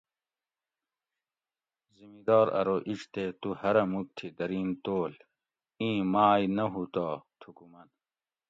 زمیدار ارو ایج تے تو ہرہ مُک تھی درین تول اِیں مائ نہ ہُو تو تھُکو من